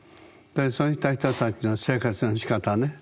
そういった人たちの生活のしかたね